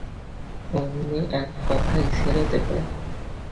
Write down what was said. অমনি এক কথায় ছেড়ে দেবে!